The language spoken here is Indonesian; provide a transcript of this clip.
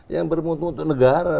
yang bermutu mutu negara